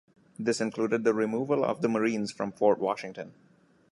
This included the removal of the Marines from Fort Washington.